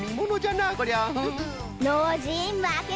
ノージーまけ